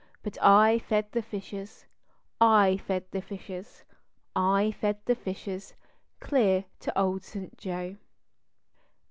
IStit I fed the fishes, I fed the fishes, I fed the fishes clear to Old St. Joe.